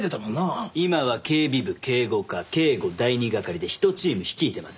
今は警備部警護課警護第２係で１チーム率いてます。